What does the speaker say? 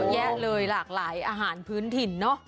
เยอะเลยหลากหลายอาหารพื้นถิ่นเนอะ